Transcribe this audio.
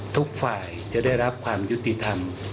ทุกฝ่ายจะได้รับความยุติธรรม